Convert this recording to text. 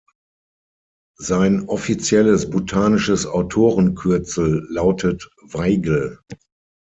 Sein offizielles botanisches Autorenkürzel lautet „Weigel“.